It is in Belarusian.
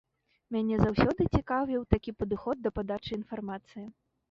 Мяне заўсёды цікавіў такі падыход да падачы інфармацыі.